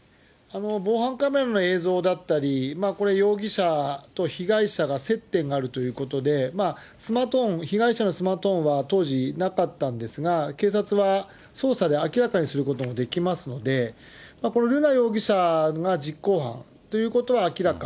防犯カメラの映像だったり、これ、容疑者と被害者が接点があるということで、スマートフォン、被害者のスマートフォンは当時なかったんですが、警察は捜査で明らかにすることもできますので、この瑠奈容疑者が実行犯ということは明らか。